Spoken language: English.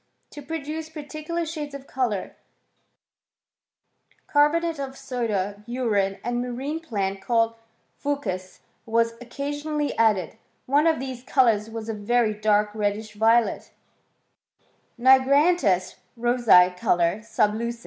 * To produce particular shades of colour, carbonate of soda, urine, and a marine plant called /ucws, were occasionally added : one of these colours was a very dark reddish violet—" Nigramtis rosee colore sub luQens.''